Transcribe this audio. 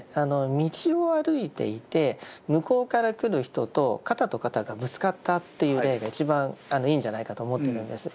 道を歩いていて向こうから来る人と肩と肩がぶつかったっていう例が一番いいんじゃないかと思ってるんです。